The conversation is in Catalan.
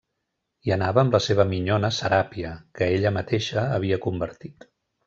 Hi anava amb la seva minyona Seràpia, que ella mateixa havia convertit.